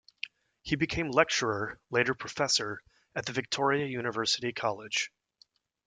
He became lecturer, later professor, at the Victoria University College.